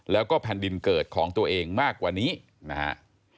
แล้วก็แผ่นดินเกิดของตัวเองมากกว่านี้นะฮะ